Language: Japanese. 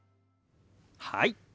はい。